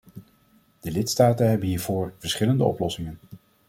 De lidstaten hebben hiervoor verschillende oplossingen.